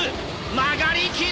曲がりきれるか！？